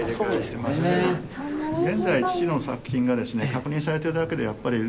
現在父の作品がですね確認されてるだけでやっぱり。